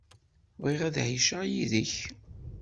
Bɣiɣ ad ɛiceɣ yid-k.